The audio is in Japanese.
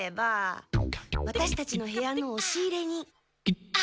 ワタシたちの部屋のおし入れに。